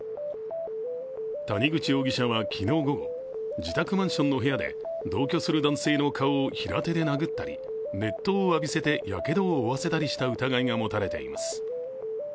谷口容疑者は昨日午後、自宅マンションの部屋で同居する男性の顔を平手で殴ったり熱湯を浴びせてやけどを負わせたりした疑いが持たれています。